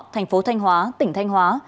thành phố thanh hóa tỉnh thanh hóa